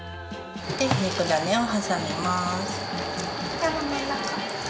肉だねを挟みます。